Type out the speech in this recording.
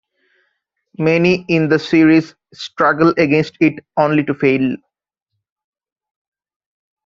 Many in the series struggle against it, only to fail.